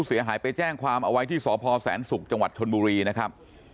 หากมีผู้เสียหายไปแจ้งความเอาไว้ที่สศศูกร์จังหวัดชนบุรีนะครับ